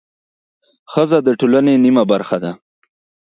ښځه د ټولنې نیمه برخه ده